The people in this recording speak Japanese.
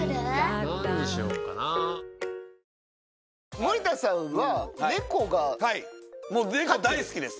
森田さんは、もう、猫、大好きです。